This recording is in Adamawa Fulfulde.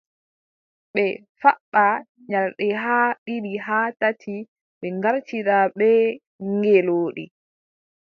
Ɓe faɓɓa nyalɗe haa ɗiɗi haa tati, ɓe ngartida bee ngeelooɗi,